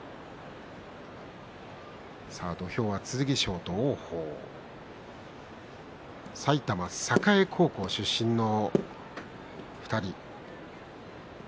土俵は剣翔と王鵬埼玉栄高校出身の２人。